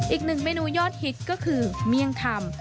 อีกหนึ่งเมนูยอดฮิตก็คือเมี่ยงคำ